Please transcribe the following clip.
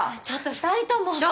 ちょっと２人とも。